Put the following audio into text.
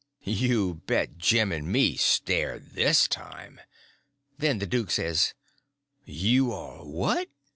You bet you, Jim and me stared this time. Then the duke says: "You are what?"